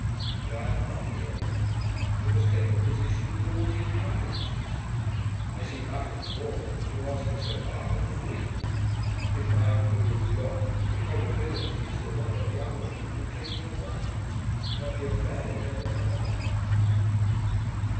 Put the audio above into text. "But I am not the elder, and you must take the position with all the encumbrances. I see nothing for it but to ask Miss O'Hara to wait. If my uncle lives long the probability is that one or the other of you will change your minds, and that the affair will never come off."